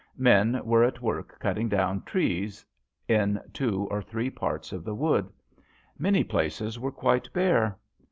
Men were at work cutting down trees in two or three parts of the wood. Many places were quite bare.